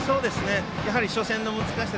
やはり初戦の難しさ。